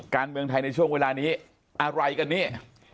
การเมืองไทยในช่วงเวลานี้อะไรกันนี่